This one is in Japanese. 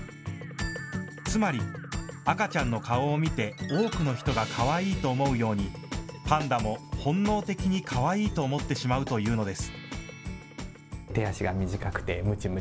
つまり、赤ちゃんの顔を見て多くの人がかわいいと思うようにパンダも本能的にかわいいと思ってしまうというのです。